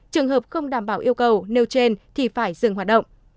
trường hợp không đảm bảo yêu cầu nêu trên thì phải dừng hoạt động